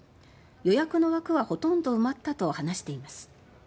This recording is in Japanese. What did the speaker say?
予約の枠はほとんど埋まった」と話しています。